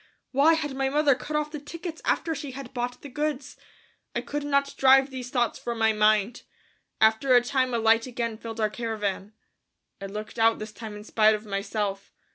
Why had my mother cut off the tickets after she had bought the goods? I could not drive these thoughts from my mind. After a time a light again filled our caravan. I looked out this time in spite of myself.